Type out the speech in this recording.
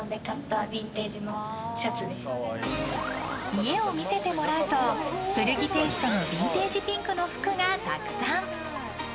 家を見せてもらうと古着テイストのビンテージピンクの服がたくさん。